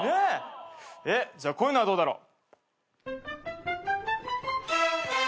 じゃあこういうのはどうだろう？